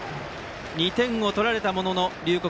２点を取られたものの龍谷